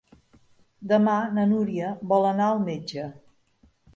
Demà na Núria vol anar al metge.